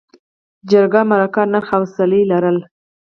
جرګه، مرکه، نرخ او څلي لرل.